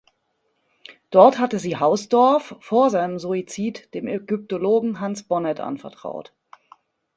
Dort hatte sie Hausdorff vor seinem Suizid dem Ägyptologen Hans Bonnet anvertraut.